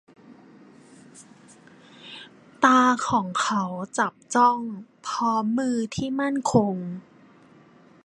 ตาของเขาจับจ้อง พร้อมมือที่มั่นคง